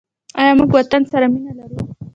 آیا موږ وطن سره مینه لرو؟